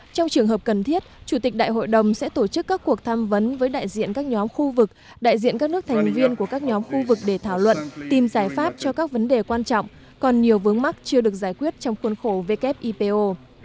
trong trường hợp cần thiết chủ tịch đại hội đồng sẽ tổ chức các cuộc tham vấn với đại diện các nhóm khu vực đại diện các nước thành viên của các nhóm khu vực để thảo luận tìm giải pháp cho các vấn đề quan trọng còn nhiều vướng mắt chưa được giải quyết trong khuôn khổ wipo